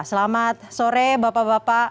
selamat sore bapak bapak